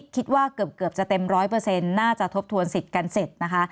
คิดว่าเกือบจะเต็ม๑๐๐น่าจะทบทวนสิทธิ์กันเสร็จนะคะ